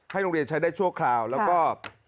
โรงเรียนใช้ได้ชั่วคราวแล้วก็